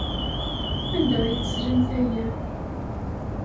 Anda ay teslamt aya?